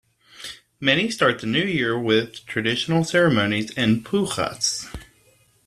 Many start the New Year with traditional ceremonies and pujas.